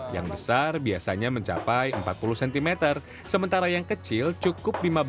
yang besar biasanya mencapai empat puluh cm sementara yang kecil cukup lima belas cm